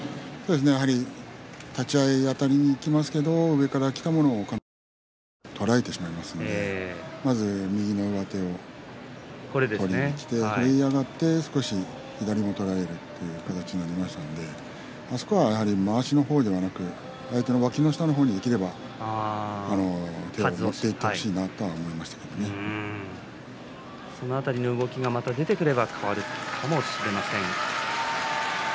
やはり立ち合いあたりにいきますけど上からきたものをどうしても捉えてしまいますので右の上手を取りにきてそれを嫌がって左も取られるという形になりましたのであそこは、まわしではなく相手の脇の方に手を持っていってほしいなとその辺りの動きが出てくれば変わるかもしれません。